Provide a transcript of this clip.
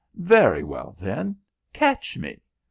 "Very well, then; catch me!"